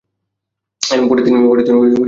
পরে তিনি মুক্তিযুদ্ধে যোগ দেন।